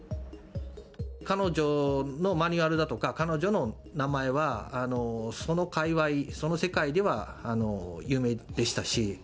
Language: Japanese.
彼女のマニュアルだとか、彼女の名前は、その界わい、その世界では有名でしたし。